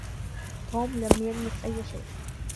توم لم يلمس أي شيء.